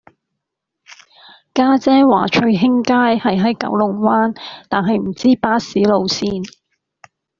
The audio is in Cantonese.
家姐話翠興街係喺九龍灣但係唔知巴士路線